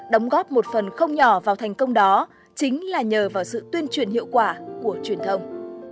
đóng góp một phần không nhỏ vào thành công đó chính là nhờ vào sự tuyên truyền hiệu quả của truyền thông